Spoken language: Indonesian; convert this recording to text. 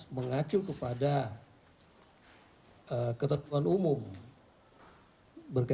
mengacu kepada ketentuan umumnya